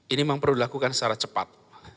ini memang perlu dilakukan secara cepat